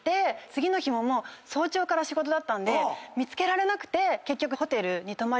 次の日も早朝から仕事だったんで見つけられなくて結局。